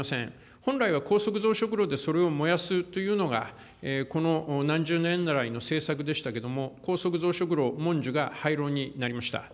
本来は高速増殖炉でそれを燃やすというのが、この何十年来の政策でしたけれども、高速増殖炉もんじゅが廃炉になりました。